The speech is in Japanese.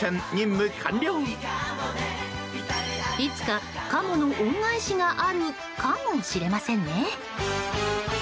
いつか、カモの恩返しがあるカモしれませんね。